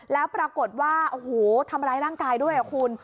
แล้วปรากฏว่าโอ้โหทำร้ายร่างกายด้วยคุณ